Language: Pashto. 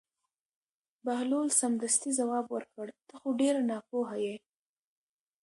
بهلول سمدستي ځواب ورکړ: ته خو ډېر ناپوهه یې.